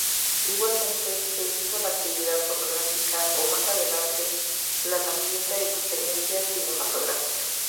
Igualmente se hizo la actividad fotográfica o, más adelante, la naciente experiencia cinematográfica.